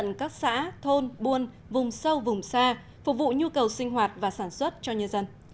công an các xã thôn buôn vùng sâu vùng xa phục vụ nhu cầu sinh hoạt và sản xuất cho nhân dân